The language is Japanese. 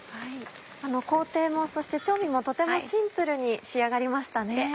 工程もそして調味もとてもシンプルに仕上がりましたね。